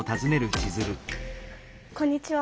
こんにちは。